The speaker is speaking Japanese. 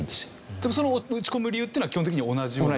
でもその撃ち込む理由っていうのは基本的に同じような。